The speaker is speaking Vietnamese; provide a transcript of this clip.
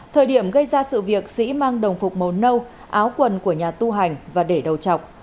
thời điểm gây ra sự việc sĩ mang đồng phục màu nâu áo quần của nhà tu hành và để đầu chọc